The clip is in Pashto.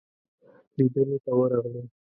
لیدلو ته ورغلو.